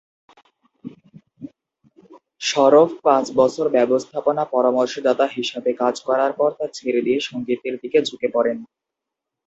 সরফ পাঁচ বছর ব্যবস্থাপনা পরামর্শদাতা হিসাবে কাজ করার পর তা ছেড়ে দিয়ে সংগীতের দিকে ঝুঁকে পড়েন।